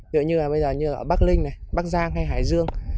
ví dụ như bây giờ như ở bắc linh bắc giang hay hải dương